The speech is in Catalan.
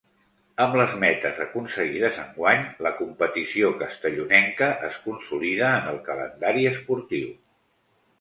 Amb les metes aconseguides enguany, la competició castellonenca es consolida en el calendari esportiu.